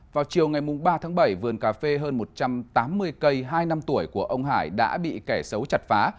vào chiều ngày ba tháng bảy vườn cà phê hơn một trăm tám mươi cây hai năm tuổi của ông hải đã bị kẻ xấu chặt phá